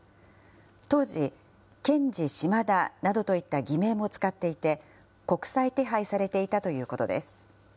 当時、ケンジ・シマダなどといった偽名も使っていて、国際手配されていたということです。